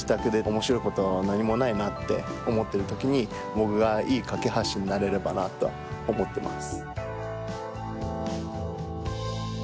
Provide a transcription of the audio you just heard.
僕がいい架け橋になれればなとは思ってます。